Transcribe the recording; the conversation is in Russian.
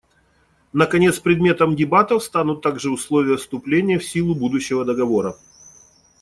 Наконец, предметом дебатов станут также условия вступления в силу будущего договора.